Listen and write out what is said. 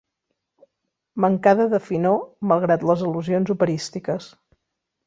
Mancada de finor, malgrat les al·lusions operístiques.